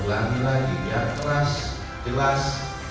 ulang lagi lihat keras jelas